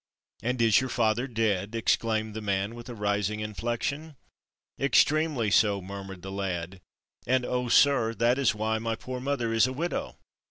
"And is your father dead?" exclaimed the man, with a rising inflection. "Extremely so," murmured the lad, "and, oh, sir, that is why my poor mother is a widow."